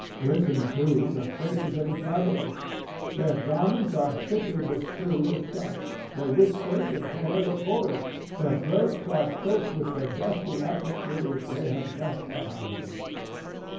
Glisten, too, the faces of the travellers. Their garments are thickly bestrewn with dust; their whiskers and hair look hoary; their throats are choked with the dusty atmosphere which they have left behind them.